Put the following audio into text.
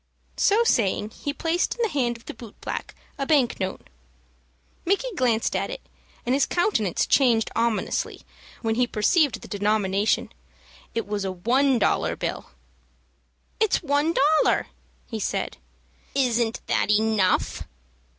So saying, he placed in the hand of the boot black a bank note. Micky glanced at it, and his countenance changed ominously, when he perceived the denomination. It was a one dollar bill! "It's one dollar," he said. "Isn't that enough?"